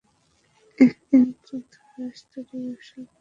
তিনি টুথব্রাশ তৈরির ব্যবসা শুরু করলেন।